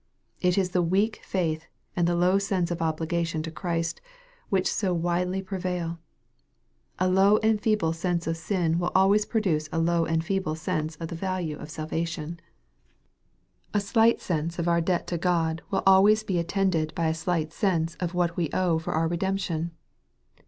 It is the weak faith, and tha low sense of obligation to Christ, which so widely pre vail. A low and feeble sense of sin will always produce a low and feeble sense of tho value of salvation. A slight MARK, CHAP. XVI. 35; Bense of our debt to God will always be attended by a slight sense of what we owe for our redemption.